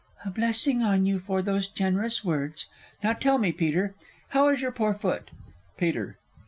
_ A blessing on you for those generous words! Now tell me, Peter, how is your poor foot? _Peter.